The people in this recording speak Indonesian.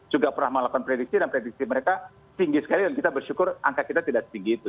juga pernah melakukan prediksi dan prediksi mereka tinggi sekali dan kita bersyukur angka kita tidak setinggi itu